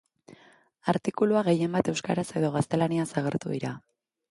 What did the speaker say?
Artikuluak gehienbat euskaraz edo gaztelaniaz agertu dira.